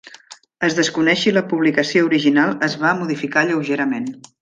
Es desconeix si la publicació original es va modificar lleugerament.